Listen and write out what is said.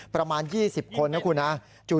ประมาณ๒๐คนนะครับคุณ